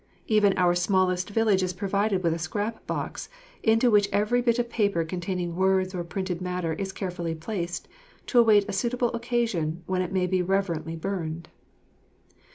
Even our smallest village is provided with a scrap box into which every bit of paper containing words or printed matter is carefully placed, to await a suitable occasion when it may be reverently burned.